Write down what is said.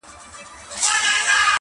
• د کلو خمار وهلي تشوي به پیالې خپلي -